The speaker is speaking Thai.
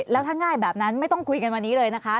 แล้วถ้าง่ายแบบนั้นไม่ต้องคุยกันวันนี้เลยนะคะ